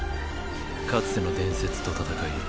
かつての伝説と戦い